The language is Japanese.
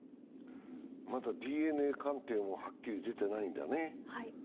まだＤＮＡ鑑定もはっきり出ていないんだね。